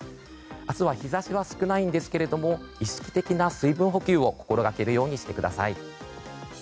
明日は日差しは少ないんですが意識的な水分補給を心がけるようにしてください。